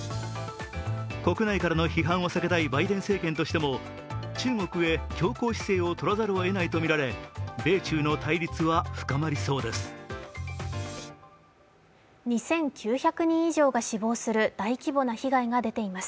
国内から批判を避けたいバイデン政権としても中国へ強硬姿勢をとらざるをえないとみられ米中の対立は深まりそうです。